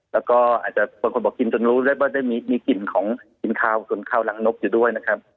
แล้วก็อาจจะบางคนบอกกินจนรู้ได้ว่าได้มีกลิ่นของกินข้าวจนข้าวรังนกอยู่ด้วยนะครับ